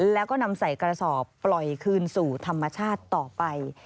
แล้วก็นำใส่กระสอบปล่อยคืนสู่ธรรมชาติต่อไป